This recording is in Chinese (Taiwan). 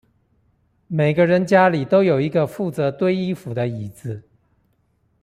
每個人家裡都有一個負責堆衣服的椅子